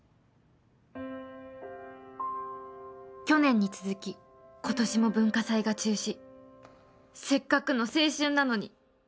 去年に続きことしも文化祭が中止せっかくの青春なのに